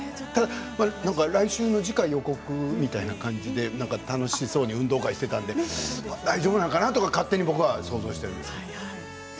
来週の次回予告みたいな感じで楽しそうに運動会をしていたので大丈夫なのかなとか勝手に僕は想像してるんですけど。